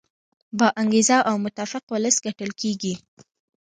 با انګیزه او متفق ولس ګټل کیږي.